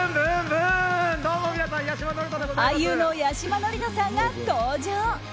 俳優の八嶋智人さんが登場。